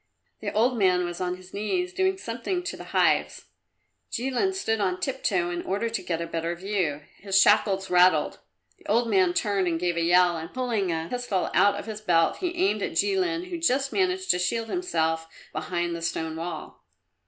The old man was on his knees, doing something to the hives. Jilin stood on tiptoe in order to get a better view; his shackles rattled. The old man turned and gave a yell and pulling a pistol out of his belt he aimed at Jilin, who just managed to shield himself behind the stone wall.